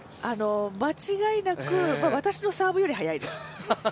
間違いなく私のサーブより速いです。